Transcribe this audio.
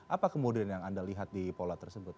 apa kemudian yang anda lihat di pola tersebut